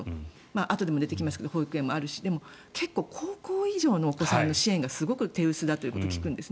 あとでも出てきますが保育園もあるしでも、高校以上のお子さんの支援がすごく手薄だと聞くんですね。